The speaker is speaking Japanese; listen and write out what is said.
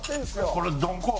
これどこ？